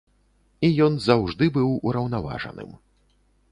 І ён заўжды быў ураўнаважаным.